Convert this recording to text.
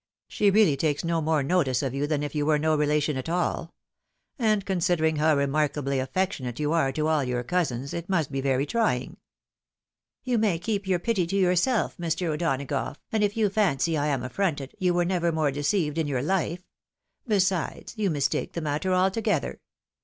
She really takes no more notice of you than if you were no relation at all ; and considering how remarkably aflfectionate you are to all your cousins, it must be very trying." " You may keep your pity to yourself, Mr. O'Donagough ; and if you fancy I am affronted, you were never more deceived in your hfe. Besides, you mistake the matter altogether.